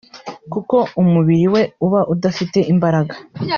kuko umubiri we uba udafite imbaraga